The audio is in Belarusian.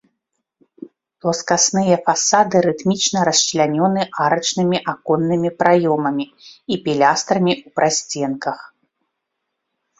Плоскасныя фасады рытмічна расчлянёны арачнымі аконнымі праёмамі і пілястрамі ў прасценках.